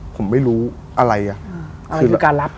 ผมไม่รู้อะไรอะ